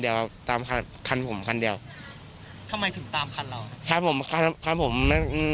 เขาก็ขับรถไล่ค่ะแล้วทำอะไรกัน